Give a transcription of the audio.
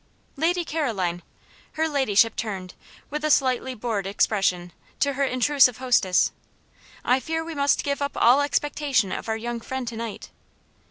"Lady Caroline" (her ladyship turned, with a slightly bored expression, to her intrusive hostess), "I fear we must give up all expectation of our young friend to night."